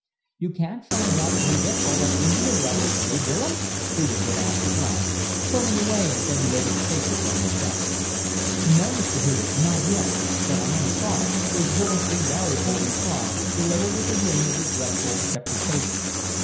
"You can't find out where he gets all that india rubber, hey Willems?" Hudig would ask at last, turning away and bending over the papers on his desk. "No, Mr. Hudig. Not yet. But I am trying," was Willems' invariable reply, delivered with a ring of regretful deprecation.